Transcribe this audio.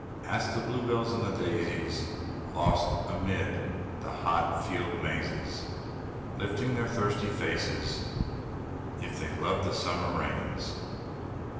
Ask the blue bells and the daisies, Lost amid the hot field mazes, Lifting up their thirsty faces, If they love the summer rains.